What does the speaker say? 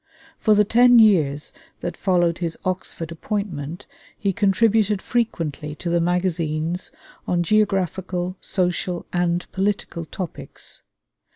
For the ten years that followed his Oxford appointment he contributed frequently to the magazines on geographical, social, and political topics.